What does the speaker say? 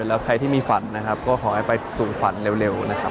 แล้วใครที่มีฝันนะครับก็ขอให้ไปสู่ฝันเร็วนะครับ